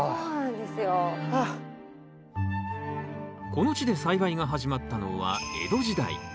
この地で栽培が始まったのは江戸時代。